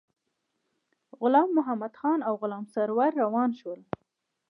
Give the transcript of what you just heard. غلام محمدخان او غلام سرور روان شول.